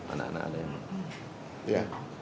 anak anak ada yang ya